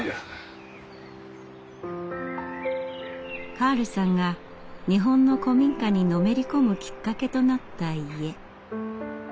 カールさんが日本の古民家にのめり込むきっかけとなった家。